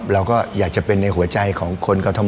แล้วก็อยากจะเป็นในหัวใจของคนกัลธมมะ